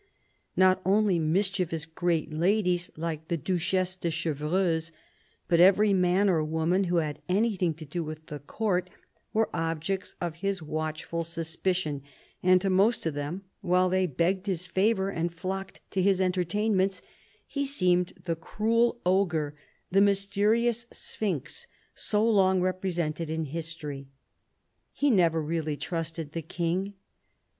Not only mischievous great ladies like the Duchesse de Chevreuse, but every man or woman who had anything to do with the Court, were objects of his watchful suspicion, and to most of them, while they begged his favour and flocked to his entertainments, he seemed the cruel ogre, the mysterious sphinx, so long represented in history. He never really trusted the King.